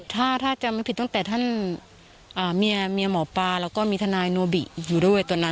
ถ้าจำไม่ผิดตั้งแต่ท่านเมียหมอปลาแล้วก็มีทนายโนบิอยู่ด้วยตอนนั้น